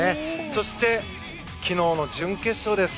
そして、昨日の準決勝です。